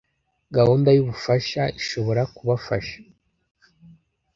gahunda y'ubufasha ishobora kubafasha